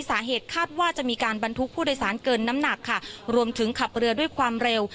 สาเหตุคาดว่าจะมีการบรรทุกผู้โดยสารเกินน้ำหนักค่ะรวมถึงขับเรือด้วยความเร็ว